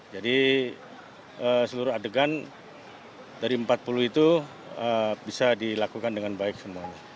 jadi seluruh adegan dari empat puluh itu bisa dilakukan dengan baik semuanya